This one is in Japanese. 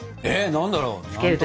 何だろう？